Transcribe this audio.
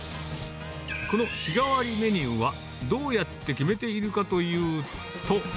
この日替わりメニューは、どうやって決めているかというと。